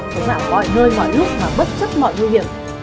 sống ảo mọi nơi mọi lúc mà bất chấp mọi nguy hiểm